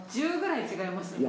１０ぐらい違います？